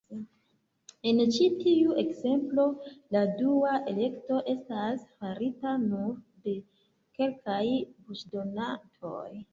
En ĉi tiu ekzemplo, la dua elekto estas farita nur de kelkaj voĉdonantoj.